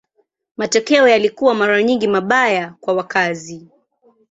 Matokeo yalikuwa mara nyingi mabaya kwa wakazi.